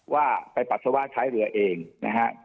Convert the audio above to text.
ว่าไปปัสสาวะท้ายเรือเองนะฮะ